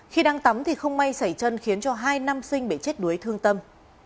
khi đang tắm thì không may xảy chân khiến cho hai nam sinh bị chết đuối thương tâm